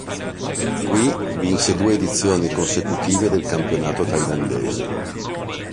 Qui, vinse due edizioni consecutive del campionato thailandese.